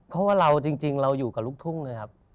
เพราะว่าเราจริงเราอยู่กับลูกทุ่งเลยครับ